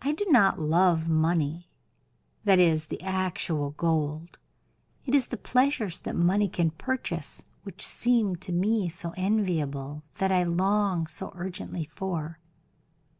I do not love money; that is, the actual gold. It is the pleasures that money can purchase which seem to me so enviable, that I long so urgently for."